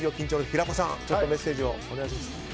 平子さん、メッセージをお願いします。